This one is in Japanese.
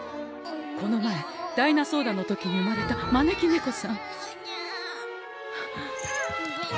この前ダイナソーダの時に生まれた招き猫さん！